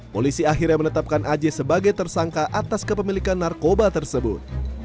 polisi akhirnya menetapkan aj sebagai tersangka atas kepemilikan narkoba tersebut